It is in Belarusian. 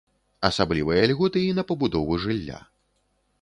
Асаблівыя льготы і на пабудову жылля.